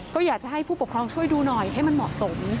ก็อยากจะให้ผู้ปกครองช่วยดูหน่อยให้มันเหมาะสม